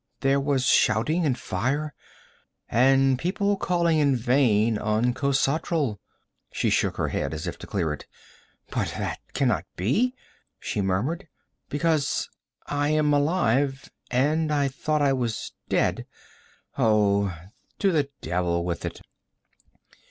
There was shouting and fire, and people calling in vain on Khosatral.' She shook her head as if to clear it. 'But that can not be,' she murmured, 'because I am alive, and I thought I was dead. Oh, to the devil with it!'